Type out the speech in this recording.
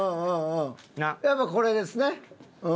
やっぱこれですねうん。